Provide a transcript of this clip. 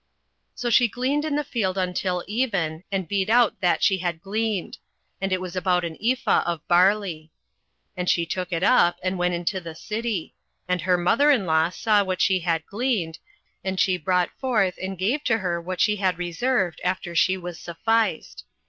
08:002:017 So she gleaned in the field until even, and beat out that she had gleaned: and it was about an ephah of barley. 08:002:018 And she took it up, and went into the city: and her mother in law saw what she had gleaned: and she brought forth, and gave to her that she had reserved after she was sufficed.